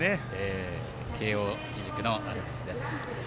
慶応義塾のアルプスです。